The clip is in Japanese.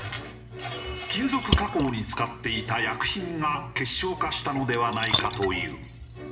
金属加工に使っていた薬品が結晶化したのではないかという。